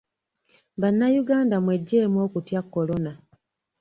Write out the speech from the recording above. Bannayuganda mweggyemu okutya Kolona.